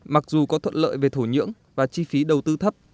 mặc dù có thuận lợi về thổ nhưỡng và chi phí đầu tư thấp